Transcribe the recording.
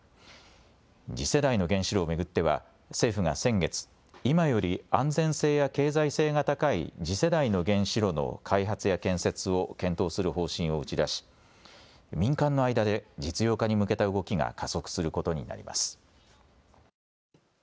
次世代の原子炉を巡っては政府が先月、今より安全性や経済性が高い次世代の原子炉の開発や建設を検討する方針を打ち出し民間の間で実用化に向けた動きが加速することになります。